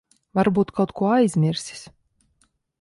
Varbūt kaut ko aizmirsis.